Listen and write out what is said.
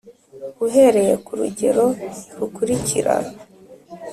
uhereye ku rugero rukurikira: